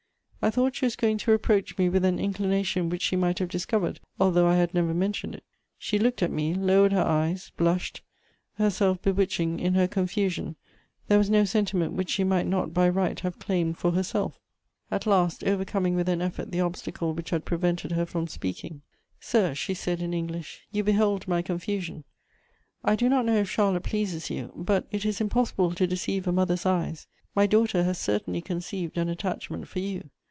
I thought she was going to reproach me with an inclination which she might have discovered, although I had never mentioned it. She looked at me, lowered her eyes, blushed; herself bewitching in her confusion, there was no sentiment which she might not by right have claimed for herself. At last, overcoming with an effort the obstacle which had prevented her from speaking: "Sir," she said in English, "you behold my confusion: I do not know if Charlotte pleases you, but it is impossible to deceive a mother's eyes; my daughter has certainly conceived an attachment for you.